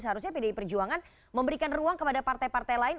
seharusnya pdi perjuangan memberikan ruang kepada partai partai lain